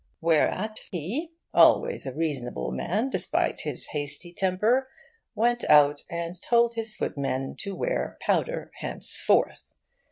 Whereat he (always a reasonable man, despite his hasty temper) went out and told his footmen to wear powder henceforth.